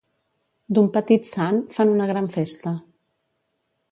D'un petit sant fan una gran festa.